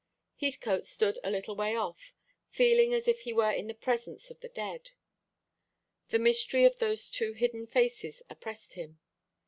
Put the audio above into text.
Heathcote stood a little way off, feeling as if he were in the presence of the dead. The mystery of those two hidden faces oppressed him.